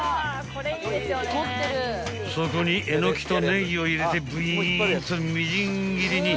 ［そこにえのきとネギを入れてブイーンとみじん切りに］